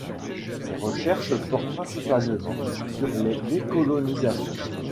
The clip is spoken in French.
Ses recherches portent principalement sur les décolonisations.